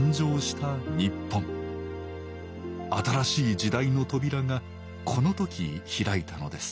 新しい時代の扉がこの時開いたのです